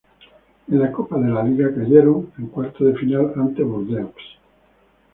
En la Copa de la Liga, cayeron en cuartos de final ante Bordeaux.